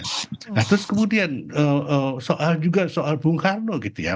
nah terus kemudian soal juga soal bung karno gitu ya